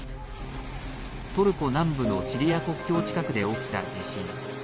トルコ南部のシリア国境近くで起きた地震。